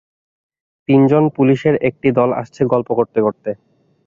তিনজন পুলিশের একটি দল আসছে গল্প করতে করতে।